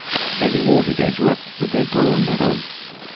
They rewarded Edgeworth with their gold medal.